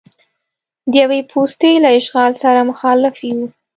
د یوې پوستې له اشغال سره مخالف یو.